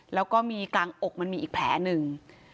แล้วก็มีกลางอกมันมีอีกแผลหนึ่ง